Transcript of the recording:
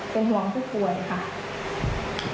เป็นห่วงผู้ป่วยค่ะ